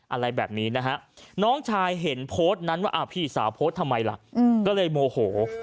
อะไรแบบนี้นะฮะน้องชายเห็นโพสต์นั้นว่าพี่สาวโพสต์ทำไมล่ะก็เลยโมโห